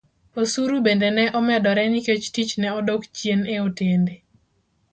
Osuru bende ne omedore nikech tich ne odok chien e otende